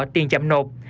tiền chậm nộp